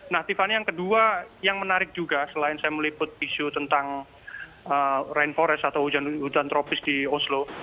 nah tiffany yang kedua yang menarik juga selain saya meliput isu tentang rainforest atau hutan tropis di oslo